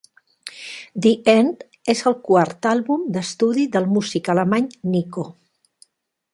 "The End..." és el quart àlbum d'estudi del músic alemany Nico.